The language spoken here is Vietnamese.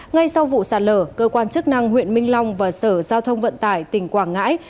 ngay sau vụ sạt lở cơ quan chức năng huyện minh long và sở giao thông vận tải tỉnh quảng ngãi